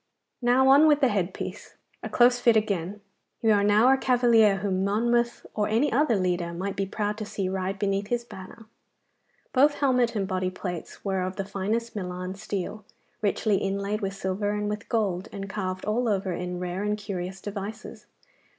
Now on with the head piece. A close fit again. You are now a cavalier whom Monmouth or any other leader might be proud to see ride beneath his banner.' Both helmet and body plates were of the finest Milan steel, richly inlaid with silver and with gold, and carved all over in rare and curious devices.